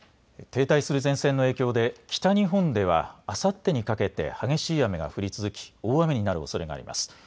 停滞する前線の影響で北日本ではあさってにかけて激しい雨が降り続き大雨になるおそれがあります。